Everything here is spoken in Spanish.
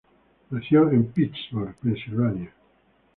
Nació en Pittsburgh, Pensilvania.